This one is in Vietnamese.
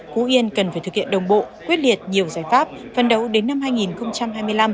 phú yên cần phải thực hiện đồng bộ quyết liệt nhiều giải pháp phân đấu đến năm hai nghìn hai mươi năm